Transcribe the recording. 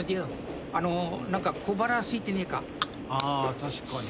確かにね。